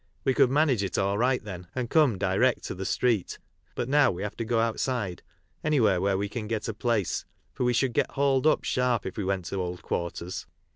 We could manage it all right then, and come direct to the Street, but now we have to go outside, anywhere where we can get a place, for we should get hauled up sharp if we went to old quarters.